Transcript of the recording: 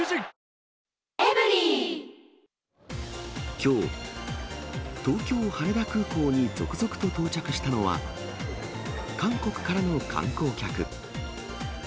きょう、東京・羽田空港に続々と到着したのは、韓国からの観光客。